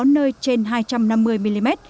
nơi trên hai trăm năm mươi mm